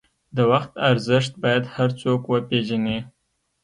د وخت ارزښت باید هر څوک وپېژني.